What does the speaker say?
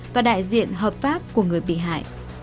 và đại diện hợp pháp của người bị hại